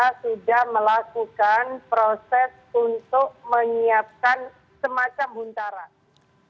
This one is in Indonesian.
kita sudah melakukan proses untuk menyiapkan semacam buntaran